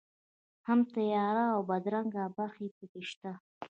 هم تیاره او بدرنګه برخې په کې شته.